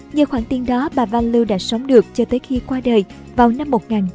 nhờ khoảng tiền đó bà van loo đã sống được cho tới khi qua đời vào năm một nghìn chín trăm linh